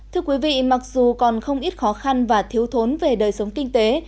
thưa quý vị mặc dù còn không ít khó khăn và thiếu thốn về đời sống kinh tế